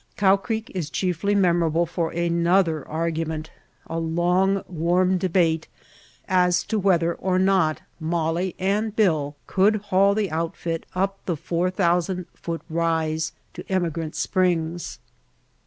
Cow Creek is chiefly memorable for another argument, a long, warm debate as to whether or not Molly and Bill could haul the outfit up the four thousand foot rise to Emigrant Springs.